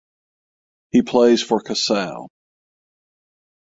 He plays for Casale.